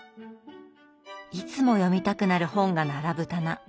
いつも読みたくなる本が並ぶ棚。